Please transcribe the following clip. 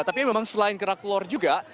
tapi memang selain kerak telur juga